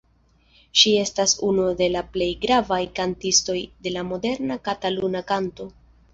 Ŝi estas unu de la plej gravaj kantistoj de la moderna kataluna kanto.